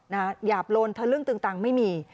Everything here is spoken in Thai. หยาบโลนเถลิ่งตรึงต่างไม่มี